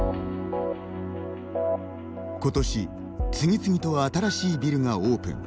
今年、次々と新しいビルがオープン。